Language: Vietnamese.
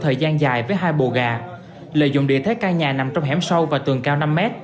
thời gian dài với hai bồ gà lợi dụng địa thế căn nhà nằm trong hẻm sâu và tường cao năm m